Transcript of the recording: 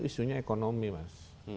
isunya ekonomi mas